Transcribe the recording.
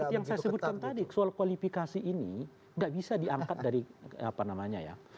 seperti yang saya sebutkan tadi soal kualifikasi ini nggak bisa diangkat dari apa namanya ya